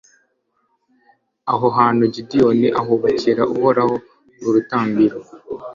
aho hantu gideyoni ahubakira uhoraho urutambiro